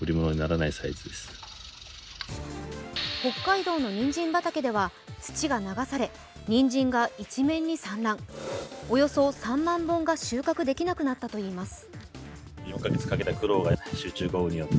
北海道のにんじん畑では、土が流され、にんじんが一面に散乱、およそ３万本が収穫できなくなったといいます。